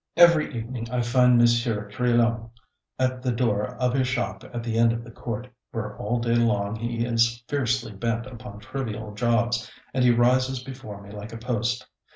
Every evening I find Monsieur Crillon at the door of his shop at the end of the court, where all day long he is fiercely bent upon trivial jobs, and he rises before me like a post.